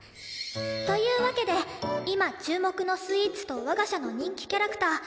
というわけで今注目のスイーツと我が社の人気キャラクターニャ